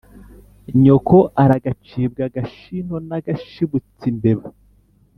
nyoko aragacibwa ag ashino n'agas hibutse imbeba